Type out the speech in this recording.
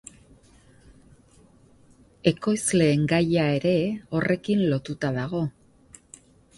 Ekoizleen gaia ere horrekin lotuta dago.